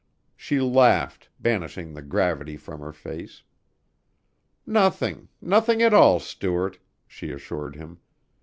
She laughed, banishing the gravity from her face. "Nothing nothing at all, Stuart," she assured him.